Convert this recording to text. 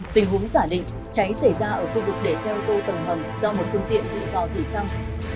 tình huống giả định cháy xảy ra ở khu vực để xe ô tô tầng hầm do một phương tiện bị do dỉ xăng